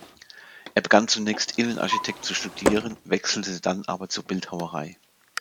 Er begann zunächst Innenarchitektur zu studieren, wechselte dann aber zur Bildhauerei.